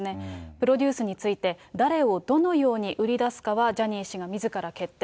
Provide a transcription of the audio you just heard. プロデュースについて、誰をどのように売り出すかは、ジャニー氏がみずから決定。